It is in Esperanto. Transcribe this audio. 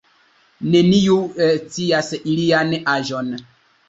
Neniu scias ilian aĝon.